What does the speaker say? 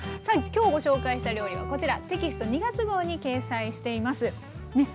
さあ今日ご紹介した料理はこちらテキスト２月号に掲載しています。